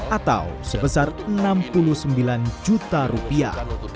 atau sebesar rp enam puluh sembilan juta